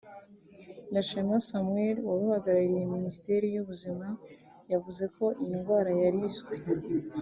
Gashema Samuel wari uhagarariye Minisiteri y’Ubuzima yavuze ko iyi ndwara yari izwi